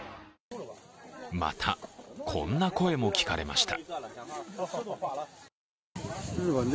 また、こんな声も聞かれました。